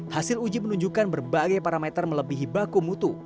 hasil uji menunjukkan berbagai parameter melebihi baku mutu